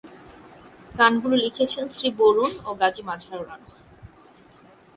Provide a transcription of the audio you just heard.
গানগুলি লিখেছেন শ্রী বরুণ ও গাজী মাজহারুল আনোয়ার।